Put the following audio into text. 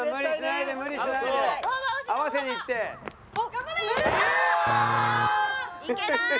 いけない！